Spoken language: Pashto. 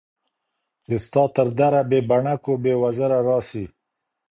چي ستا تر دره بې بڼکو ، بې وزره راسي